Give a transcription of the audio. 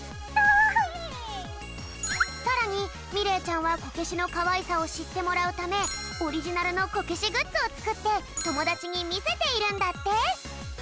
さらにみれいちゃんはこけしのかわいさをしってもらうためオリジナルのこけしグッズをつくってともだちにみせているんだって。